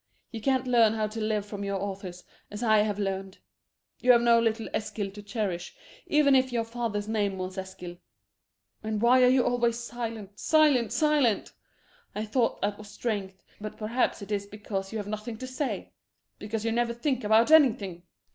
You can't learn how to live from your authors, as I have learned. You have no little Eskil to cherish, even if your father's name was Eskil. And why are you always silent, silent, silent? I thought that was strength, but perhaps it is because you have nothing to say! Because you never think about anything!